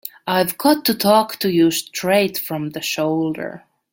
I've got to talk to you straight from the shoulder.